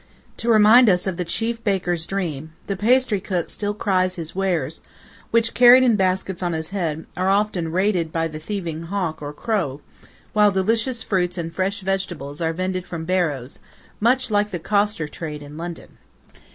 To remind us of the chief baker's dream, the pastry cook still cries his wares, which, carried in baskets on his head, are often raided by the thieving hawk or crow, while delicious fruits and fresh vegetables are vended from barrows, much like the coster trade in London.